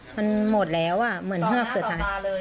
มันหมดแล้วอ่ะเหมือนเฮือกเสือถ่าย